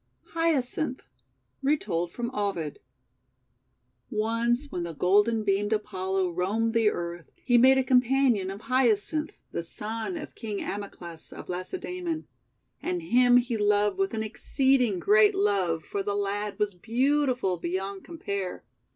HYACINTH Retold from Ovid ONCE when the golden beamed Apollo roamed the earth, he made a companion of Hyacinth, the son of King Amyclas of Lacedsemon; and him he loved with an exceeding great love, for the lad was beautiful beyond compare.